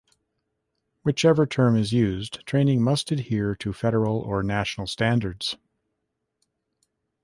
Whichever term is used, training must adhere to federal or national standards.